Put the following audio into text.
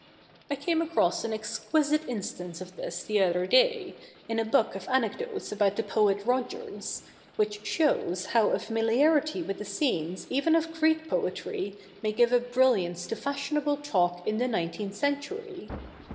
I came across an exquisite instance of this the other day, in a book of anecdotes about the poet Rogers, which shows how a familiarity with the scenes even of Greek poetry may give a brilliance to fashionable talk in the nineteenth century.